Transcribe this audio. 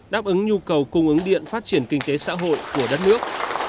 đáp ứng nhu cầu cung ứng điện phát triển kinh tế xã hội của đất nước